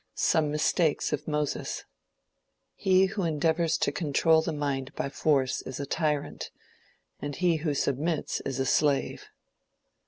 SOME MISTAKES OF MOSES HE WHO ENDEAVORS TO CONTROL THE MIND BY FORCE IS A TYRANT, AND HE WHO SUBMITS IS A SLAVE.